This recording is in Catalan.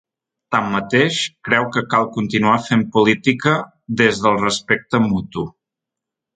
Tanmateix, creu que cal continuar fent política ‘des del respecte mutu’.